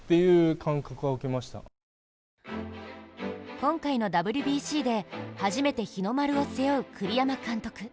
今回のＷＢＣで初めて日の丸を背負う栗山監督。